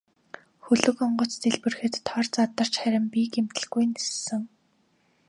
Хөлөг онгоц дэлбэрэхэд тор задарч харин би гэмтэлгүй ниссэн.